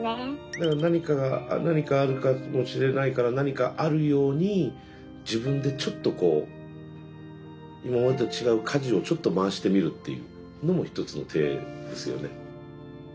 だから何かが何かあるかもしれないから何かあるように自分でちょっとこう今までと違うかじをちょっと回してみるっていうのも一つの手ですよね。